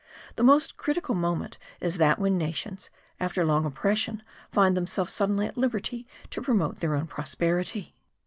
The most critical moment is that when nations, after long oppression, find themselves suddenly at liberty to promote their own prosperity.